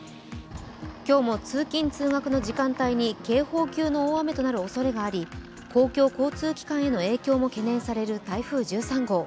今日も通勤・通学の時間帯に警報級の大雨となるおそれがあり公共交通機関への影響も懸念される台風１３号。